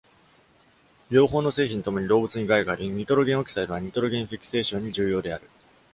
両方の製品ともに、動物に害があり、ニトロゲン・オキサイドは、ニトロゲン・フィクセーションに重要である。